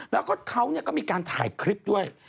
แล้วก็เขาก็มีการถ่ายคลิปด้วย